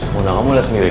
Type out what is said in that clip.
mona kamu lihat sendiri